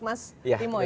termasuk mas timo ya